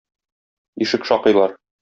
Ишек шакыйлар.